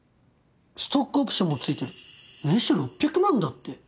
ストックオプションも付いてる年収６００万だって！